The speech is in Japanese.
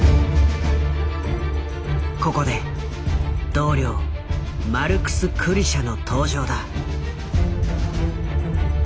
ここで同僚マルクス・クリシャの登場だ。